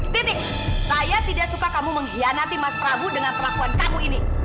titik saya tidak suka kamu mengkhianati mas prabu dengan perlakuan kamu ini